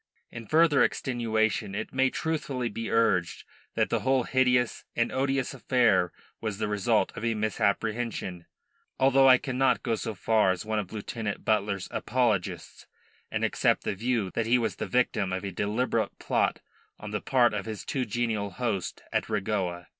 In further extenuation it may truthfully be urged that the whole hideous and odious affair was the result of a misapprehension; although I cannot go so far as one of Lieutenant Butler's apologists and accept the view that he was the victim of a deliberate plot on the part of his too genial host at Regoa.